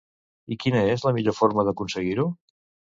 I quina és la millor forma d'aconseguir-ho?